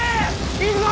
行くぞ！